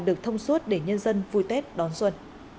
được thông suốt để nhân dân vui tết đón xuân